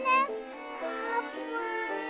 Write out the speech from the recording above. あーぷん。